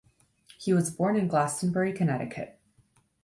He was born in Glastonbury, Connecticut.